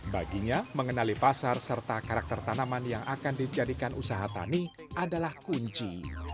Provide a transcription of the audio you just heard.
baginya mengenali pasar serta karakter tanaman yang akan dijadikan usaha tani adalah kunci